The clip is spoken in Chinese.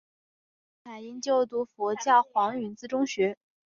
李凯茵就读佛教黄允畋中学。